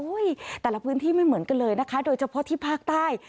แต่ละพื้นที่ไม่เหมือนกันเลยนะคะโดยเฉพาะที่ภาคใต้